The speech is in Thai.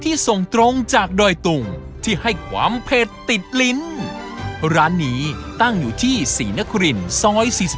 ทีมคุณกอฟวางเงินจำนวน๕๐๐บาทจะได้เมนูเส้นสด